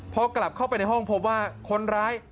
พอกลับเข้าไปในห้องพบว่าคนร้าย